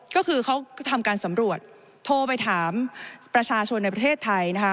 ก็คือเขาทำการสำรวจโทรไปถามประชาชนในประเทศไทยนะคะ